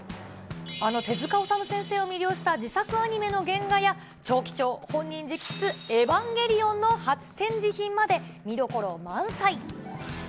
あの手塚治虫先生を魅了した自作アニメの原画や、超貴重、本人直筆エヴァンゲリオンの初展示品まで、見どころ満載。